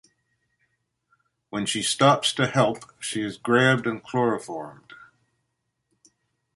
When she stops to help, she is grabbed and chloroformed.